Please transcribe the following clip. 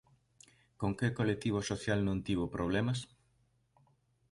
Con que colectivo social non tivo problemas?